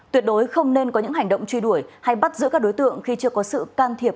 tuyệt đối không nên có những hành động truy đuổi hay bắt giữ các đối tượng khi chưa có sự can thiệp